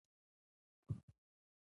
کلي د افغان کلتور سره تړاو لري.